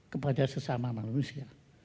kepada sesama manusia